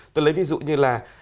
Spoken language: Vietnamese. tôi lấy ví dụ như là